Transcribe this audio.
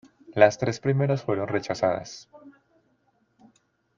Las tres primeras fueron rechazadas.